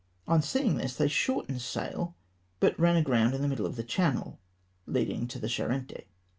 On seeing this they shortened sail, but rim aground in the middle of the channel leading to the Charente.